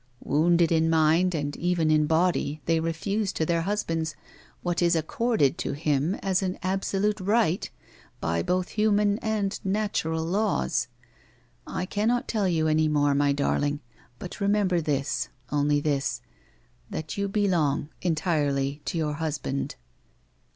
Wounded in mind, and even in body, they refuse to their husband what is accorded to him as an absolute right by both human and natural laws. I cannot tell you any more, my darling ; but remember this, only this, that you belong entirely to your husband."